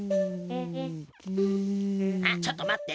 あっちょっとまって！